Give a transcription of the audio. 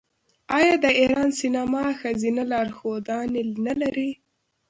آیا د ایران سینما ښځینه لارښودانې نلري؟